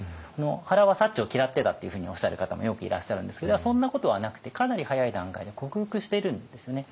原は薩長を嫌ってたっていうふうにおっしゃる方もよくいらっしゃるんですけどそんなことはなくてかなり早い段階で克服しているんですよね。